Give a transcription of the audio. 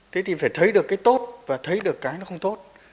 thế thì phải thấy được cái tốt và thấy được cái nó không tốt